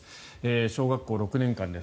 小学校６年間です。